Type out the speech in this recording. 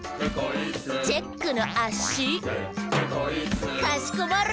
「チェックのあ・し！」「かしこまり！」